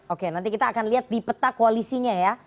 oke nanti kita akan lihat di peta koalisinya ya